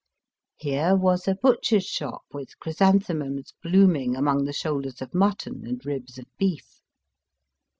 Here was a butcher's shop with chrysanthemums blooming among the shoulders of mutton and ribs of beef.